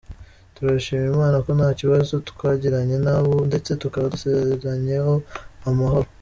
Turashima Imana ko ntakibazo twagiranye nabo ndetse tukaba dusezeranyeho amahoro.